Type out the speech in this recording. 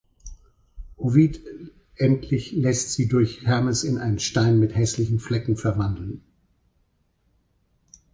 Ovid endlich lässt sie durch Hermes in einen Stein mit hässlichen Flecken verwandeln.